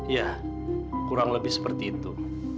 ya kurang lebih seperti itu